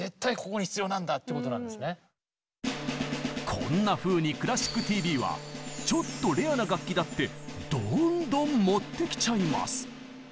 こんなふうに「クラシックＴＶ」はちょっとレアな楽器だってどんどん持ってきちゃいます！